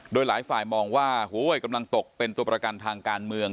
โดยหลายฝ่ายมองว่ากำลังตกเป็นตัวประกันทางการเมือง